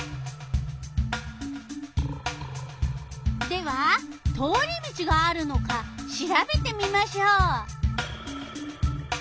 では通り道があるのかしらべてみましょう。